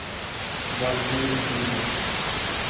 বজ্রের মতো এগোও!